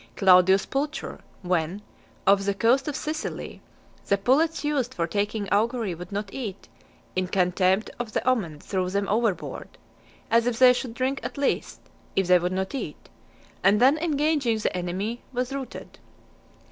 Claudius Pulcher, when, off the coast of Sicily , the pullets used for taking augury would not eat, in contempt of the omen threw them overboard, as if they should drink at least, if they would not eat; and then engaging the enemy, was routed.